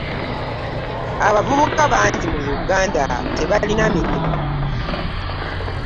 Abavubuka bangi mu Uganda tebalina mirimu.